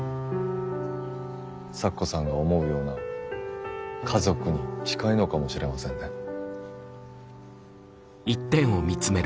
咲子さんが思うような家族に近いのかもしれませんね。